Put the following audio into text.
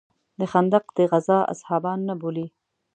د خندق د غزا اصحابان نه بولې.